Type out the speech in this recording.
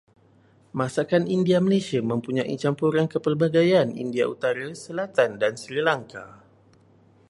Masakan India Malaysia mempunyai campuran kepelbagaian India utara-selatan dan Sri Lanka.